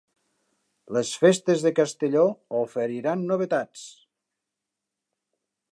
Les festes de Castelló oferiran novetats.